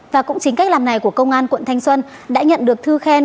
và cũng chính cách làm này của công an quận thanh xuân đã nhận được thư khen